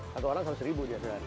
satu orang rp seratus dia sedang